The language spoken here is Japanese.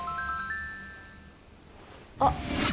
あっ。